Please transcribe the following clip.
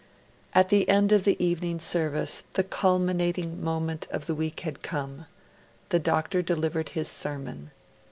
At the end of the evening service, the culminating moment of the week had come: the Doctor delivered his sermon.